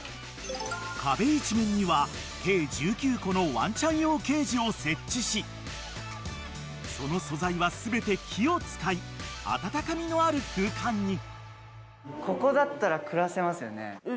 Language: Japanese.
［壁一面には計１９個のワンちゃん用ケージを設置しその素材は全て木を使い温かみのある空間に］